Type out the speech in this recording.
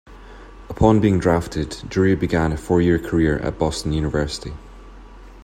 Upon being drafted, Drury began a four-year career at Boston University.